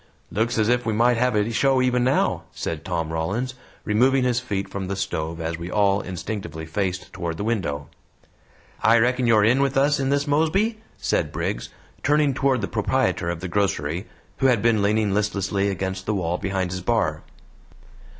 "Looks as ef we might hev a show even now," said Tom Rollins, removing his feet from the stove as we all instinctively faced toward the window. "I reckon you're in with us in this, Mosby?" said Briggs, turning toward the proprietor of the grocery, who had been leaning listlessly against the wall behind his bar.